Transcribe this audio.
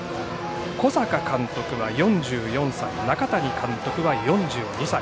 小坂監督は４４歳、中谷監督は４２歳。